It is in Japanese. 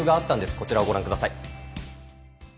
こちらをご覧ください。